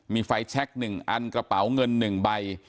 มีไฟล์แชคหนึ่งอันกระเป๋าเงินหนึ่งใบ